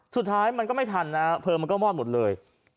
สุดท้ายมันก็ไม่ทันนะฮะเพลิงมันก็มอดหมดเลย